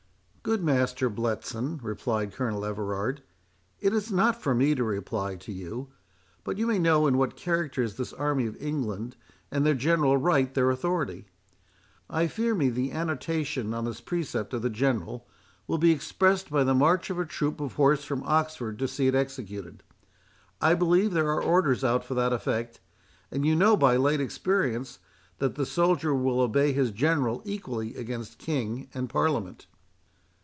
"Good Master Bletson," replied Colonel Everard, "it is not for me to reply to you; but you may know in what characters this army of England and their General write their authority. I fear me the annotation on this precept of the General, will be expressed by the march of a troop of horse from Oxford to see it executed. I believe there are orders out for that effect; and you know by late experience, that the soldier will obey his General equally against King and Parliament."